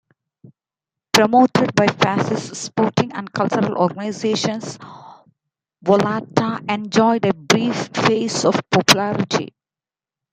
Promoted by Fascist sporting and cultural organizations, Volata enjoyed a brief phase of popularity.